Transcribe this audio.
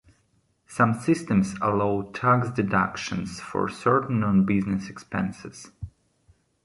Some systems allow tax deductions for certain nonbusiness expenses.